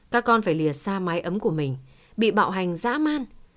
các con phải lìa xa mái ấm của mình bị bạo hành dã man